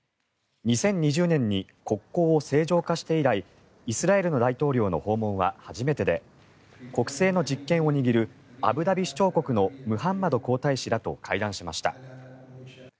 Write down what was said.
２０２０年に国交を正常化して以来イスラエルの大統領の訪問は初めてで国政の実権を握るアブダビ首長国のムハンマド皇太子らと会談しました。